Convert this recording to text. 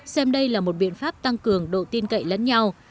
xem đây là một biện pháp tăng cường độ tin cậy lẫn nhau